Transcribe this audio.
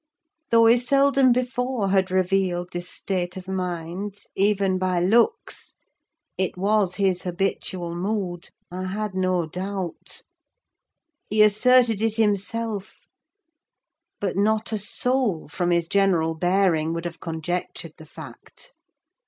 Though he seldom before had revealed this state of mind, even by looks, it was his habitual mood, I had no doubt: he asserted it himself; but not a soul, from his general bearing, would have conjectured the fact.